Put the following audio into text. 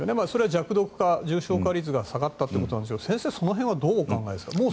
それは弱毒化、重症化率が下がったということなんですが先生、その辺はどうお考えですか？